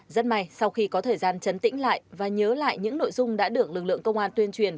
rất may sau khi có thời gian chấn tĩnh lại và nhớ lại những nội dung đã được lực lượng công an tuyên truyền